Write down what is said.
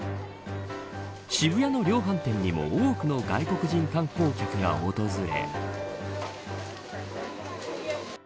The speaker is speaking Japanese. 渋谷の量販店にも多くの外国人観光客が訪れ。